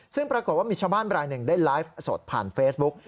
ซึ่งปรากฏว่ามีชาวบ้านรายหนึ่งได้ไลฟ์สดผ่านเฟซบุ๊ก